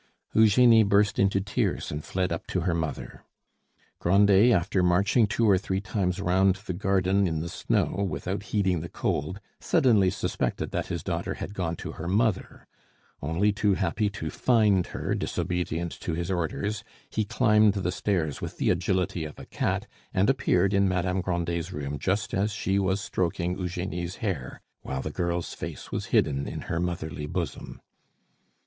Eugenie burst into tears and fled up to her mother. Grandet, after marching two or three times round the garden in the snow without heeding the cold, suddenly suspected that his daughter had gone to her mother; only too happy to find her disobedient to his orders, he climbed the stairs with the agility of a cat and appeared in Madame Grandet's room just as she was stroking Eugenie's hair, while the girl's face was hidden in her motherly bosom.